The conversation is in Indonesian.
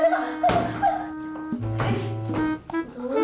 aduh wah itu